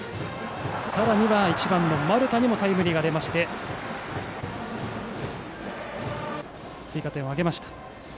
さらには、１番の丸田にもタイムリーが出まして追加点を挙げました。